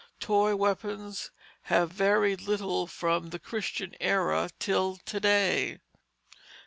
Toy weapons have varied little from the Christian era till to day.